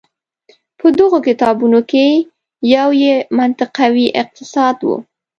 په دغو کتابونو کې یو یې منطقوي اقتصاد و.